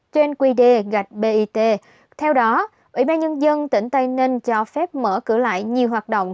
trên quy đê gạch bit theo đó ủy ban nhân dân tỉnh tây ninh cho phép mở cửa lại nhiều hoạt động